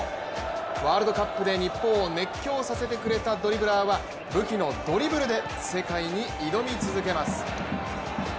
ワールドカップで日本を熱狂させてくれたドリブラーは武器のドリブルで世界に挑み続けます。